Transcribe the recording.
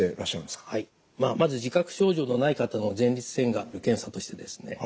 まず自覚症状のない方の前立腺がんの検査としてですね